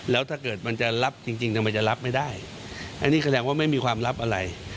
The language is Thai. แล้วถ้าเกิดมันจะรับจริงมันจะรับไม่ได้อันนี้แสดงว่าไม่มีความลับอะไร